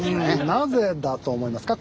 なぜだと思いますか？